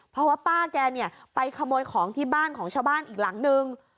เพราะว่าป้าแกเนี่ยไปขโมยของที่บ้านของชาวบ้านอีกหลังนึง